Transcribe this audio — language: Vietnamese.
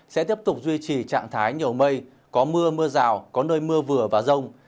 sẽ tiếp tục duy trì trạng thái nhiều mây có mưa mưa rào có nơi mưa vừa và rông